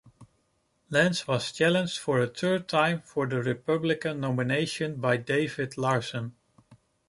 Lance was challenged for a third time for the Republican nomination by David Larsen.